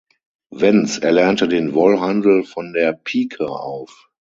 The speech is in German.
Wenz erlernte den Wollhandel von der Pike auf.